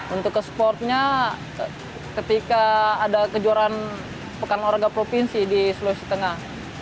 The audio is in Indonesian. untuk ke sportnya ketika ada kejuaraan pekan olahraga provinsi di sulawesi tengah